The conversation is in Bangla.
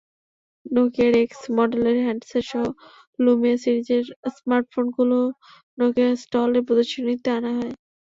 নকিয়ার এক্স মডেলের হ্যান্ডসেটসহ লুমিয়া সিরিজের স্মার্টফোনগুলোও নকিয়ার স্টলে প্রদর্শনীতে আনা হয়।